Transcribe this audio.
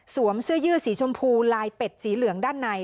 เสื้อยืดสีชมพูลายเป็ดสีเหลืองด้านใน